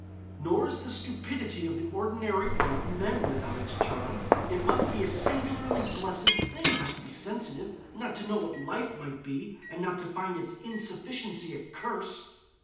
Nor is the stupidity of the ordinary run of men without its charm. It must be a singularly blessed thing not to be sensitive, not to know what life might be, and not to find its insufficiency a curse.